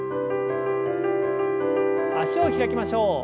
脚を開きましょう。